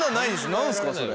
何ですかそれ。